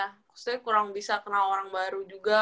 maksudnya kurang bisa kenal orang baru juga